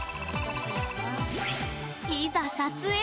いざ撮影！